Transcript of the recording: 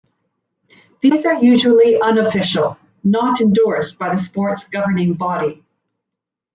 These are usually unofficial, not endorsed by the sport's governing body.